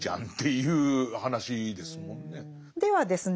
ではですね